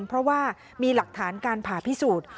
เพราะว่ามีหลักฐานการผ่าพิสูจน์